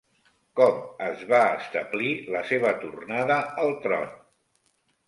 Com es va establir la seva tornada al tron?